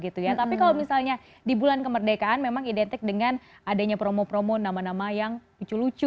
tapi kalau misalnya di bulan kemerdekaan memang identik dengan adanya promo promo nama nama yang lucu lucu